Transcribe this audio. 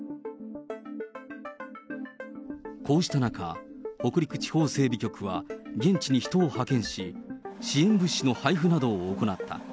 こうした中、北陸地方整備局は現地に人を派遣し、支援物資の配布などを行った。